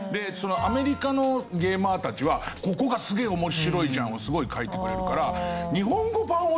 アメリカのゲーマーたちは「ここがすげえ面白いじゃん」をすごい書いてくれるから日本語版を出すと評判が落ちる。